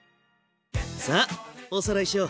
さあおさらいしよう。